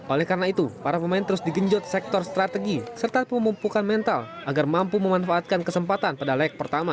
oleh karena itu para pemain terus digenjot sektor strategi serta pemumpukan mental agar mampu memanfaatkan kesempatan pada leg pertama